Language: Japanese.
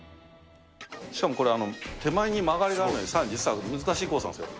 しかもこれ、手前に曲がりがあるさらに実は難しいコースなんですよ。